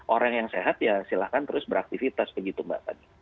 orang yang sehat ya silahkan terus beraktivitas begitu mbak fani